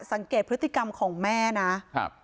สังเกตพฤติกรรมของแม่นะครับ